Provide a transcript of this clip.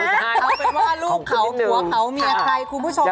เอาไว้ว่าลูกเขาหัวเขาเมียใคร